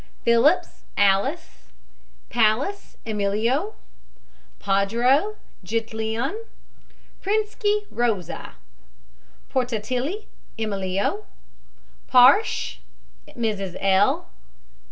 PHILLIPS, ALICE. PALLAS, EMILIO. PADRO, JITLIAN. PRINSKY, ROSA. PORTALTTPPI, EMILIO. PARSH, MRS. L.